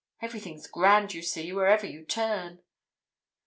Everything's grand, you see, wherever you turn."